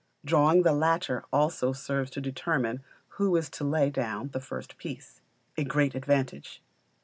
Drawing the latter also serves to determine who is to lay down the first piece a great advantage.